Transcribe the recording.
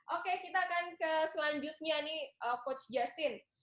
oke kita akan ke selanjutnya nih coach justin